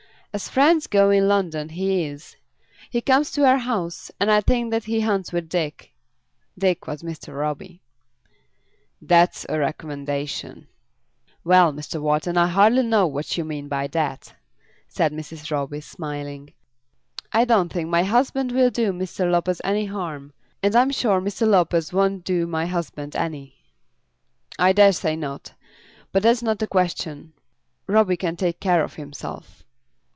"As friends go in London, he is. He comes to our house, and I think that he hunts with Dick." Dick was Mr. Roby. "That's a recommendation." "Well, Mr. Wharton, I hardly know what you mean by that," said Mrs. Roby, smiling. "I don't think, my husband will do Mr. Lopez any harm; and I am sure Mr. Lopez won't do my husband any." "I dare say not. But that's not the question. Roby can take care of himself."